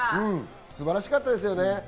素晴らしかったですよね。